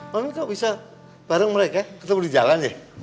loh mami kok bisa bareng mereka ketemu di jalan ya